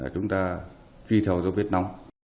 chúng ta truy theo dấu vết nóng